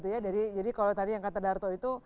jadi kalau tadi yang kata darto itu